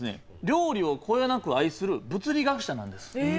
料理をこよなく愛する物理学者なんです。